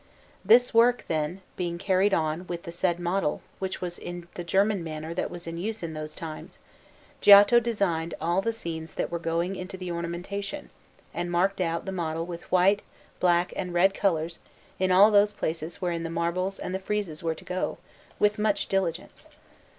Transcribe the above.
This work, then, being carried on with the said model, which was in the German manner that was in use in those times, Giotto designed all the scenes that were going into the ornamentation, and marked out the model with white, black, and red colours in all those places wherein the marbles and the friezes were to go, with much diligence.